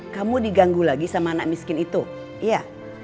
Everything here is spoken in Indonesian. kamu diganggu lagi sama anak miskin itu iya